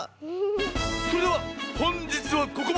それではほんじつはここまで。